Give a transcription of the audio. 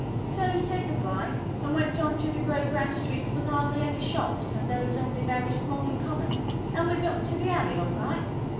So we said goodbye, and went on through the grey brown streets with hardly any shops, and those only very small and common, and we got to the alley all right.